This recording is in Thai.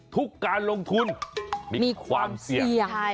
การลงทุนมีความเสี่ยง